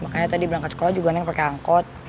makanya tadi berangkat sekolah juga naik pakai angkot